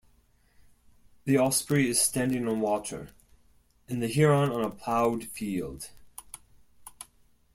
The osprey is standing on water, and the heron on a ploughed field.